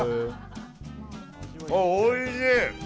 おいしい！